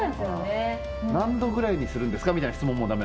何度ぐらいにするんですか？